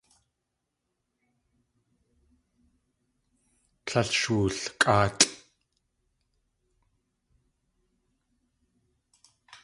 Tlél sh wulkʼáatlʼ.